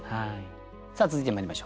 続いてまいりましょう。